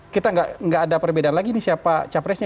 kita nggak ada perbedaan lagi nih siapa capresnya